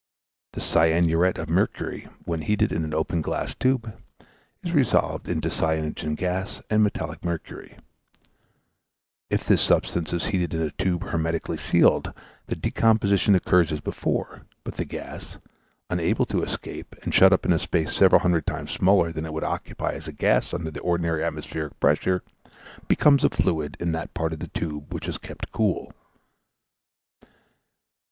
The cyanuret of mercury, when heated in an open glass tube, is resolved into cyanogen gas and metallic mercury; if this substance is heated in a tube hermetically sealed, the decomposition occurs as before, but the gas, unable to escape, and shut up in a space several hundred times smaller than it would occupy as gas under the ordinary atmospheric pressure, becomes a fluid in that part of the tube which is kept cool.